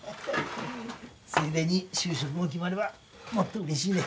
ついでに就職も決まればもっとうれしいね。